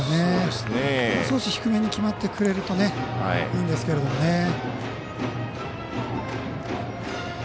もう少し低めに決まってくれるといいんですけどね。